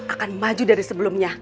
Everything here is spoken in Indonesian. akan maju dari sebelumnya